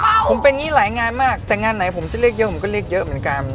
ผมเป็นอย่างนี้หลายงานมากแต่งานไหนผมจะเรียกเยอะผมก็เรียกเยอะเหมือนกัน